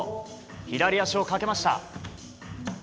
左足をかけました。